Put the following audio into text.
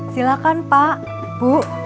silahkan pak bu